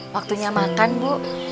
waktunya makan bu